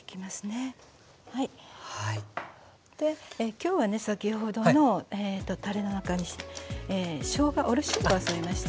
きょうはね先ほどのたれの中にしょうがおろししょうがを添えました。